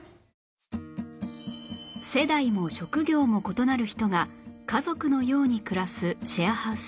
世代も職業も異なる人が家族のように暮らすシェアハウス